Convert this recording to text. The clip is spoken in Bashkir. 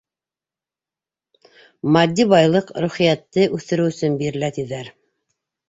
— Матди байлыҡ рухиәтте үҫтереү өсөн бирелә, тиҙәр.